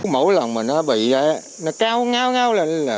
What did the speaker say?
mỗi lần mà nó bị nó cao ngáo ngáo lên